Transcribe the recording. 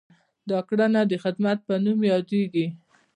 دا کړنه د خدمت په نوم یادیږي.